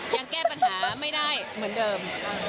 ยังแก้ปัญหาไม่ได้เหมือนเดิม